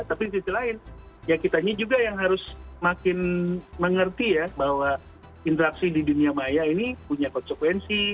tapi di sisi lain ya kita ini juga yang harus makin mengerti ya bahwa interaksi di dunia maya ini punya konsekuensi